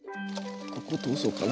ここ通そうかな。